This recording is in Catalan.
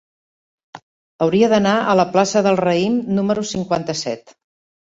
Hauria d'anar a la plaça del Raïm número cinquanta-set.